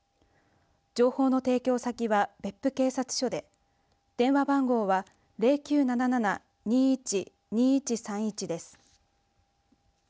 情報の提供先は別府警察署で電話番号は０９７７‐２１‐２１３１です。